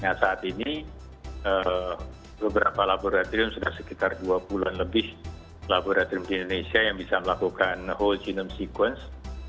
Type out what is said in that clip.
nah saat ini beberapa laboratorium sudah sekitar dua puluh an lebih laboratorium di indonesia yang bisa melakukan whole genome sequence